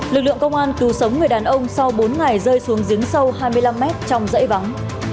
lực lượng công an cứu sống người đàn ông sau bốn ngày rơi xuống giếng sâu hai mươi năm mét trong dãy vắng